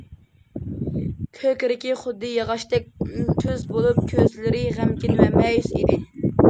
كۆكرىكى خۇددى ياغاچتەك تۈز بولۇپ، كۆزلىرى غەمكىن ۋە مەيۈس ئىدى.